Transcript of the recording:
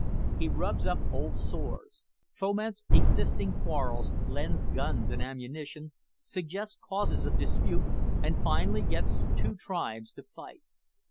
He rubs up old sores, foments existing quarrels, lends guns and ammunition, suggests causes of dispute, and finally gets two tribes to fight.